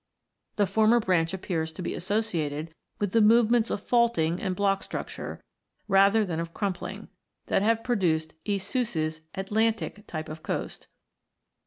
The former branch appears to be associated with the movements of faulting and block structure, rather than of crumpling, that have produced E. Suess's "Atlantic" type of coast.